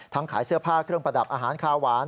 ขายเสื้อผ้าเครื่องประดับอาหารคาหวาน